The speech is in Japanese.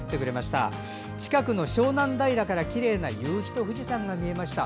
近くの湘南平からきれいな夕日と富士山が見えました。